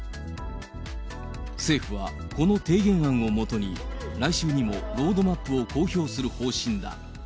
政府はこの提言案を基に、来週にもロードマップを公表する方針だ。